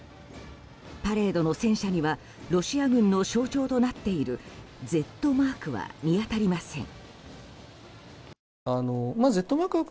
パレードの戦車にはロシア軍の象徴となっているＺマークは見当たりません。